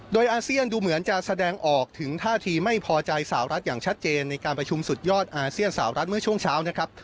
โดยอาเซียนดูเหมือนจะแสดงออกถึงท่าทีไม่พอใจสาวรัฐอย่างชัดเจนในการประชุมสุดยอดอาเซียนสาวรัฐเมื่อช่วงเช้านะครับ